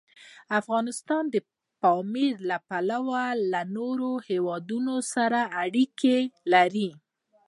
افغانستان د پامیر له پلوه له نورو هېوادونو سره اړیکې لري.